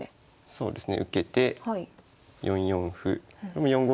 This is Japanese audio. そうですね。